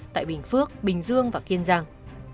tại bình phước bình dương và kiên giang